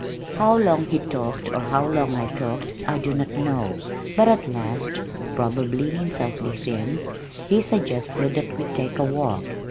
How long he talked or how long I talked, I do not know, but at last (probably in self defense), he suggested that we take a walk.